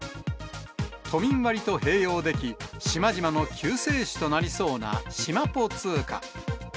都民割と併用でき、島々の救世主となりそうなしまぽ通貨。